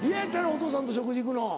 お父さんと食事行くの。